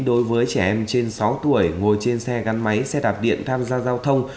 đối với trẻ em trên sáu tuổi ngồi trên xe gắn máy xe đạp điện tham gia giao thông